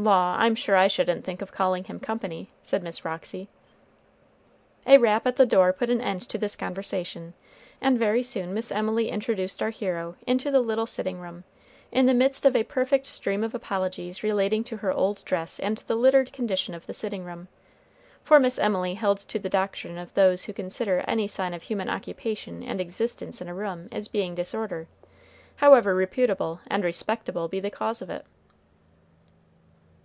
"Law, I'm sure I shouldn't think of calling him company," said Miss Roxy. A rap at the door put an end to this conversation, and very soon Miss Emily introduced our hero into the little sitting room, in the midst of a perfect stream of apologies relating to her old dress and the littered condition of the sitting room, for Miss Emily held to the doctrine of those who consider any sign of human occupation and existence in a room as being disorder however reputable and respectable be the cause of it.